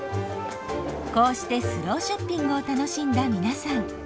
こうしてスローショッピングを楽しんだ皆さん。